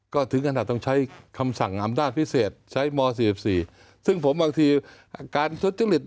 ก็ถึงขนาดต้องใช้คำสั่งอำนาจพิเศษใช้ม๔๔ซึ่งผมบางทีการทุจริต